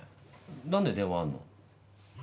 何で電話あんの？